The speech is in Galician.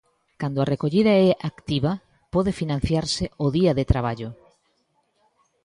Cando a recollida é activa, pode financiarse o día de traballo.